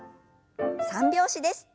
三拍子です。